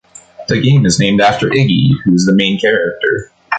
The game is named after Iggy, who is the main character.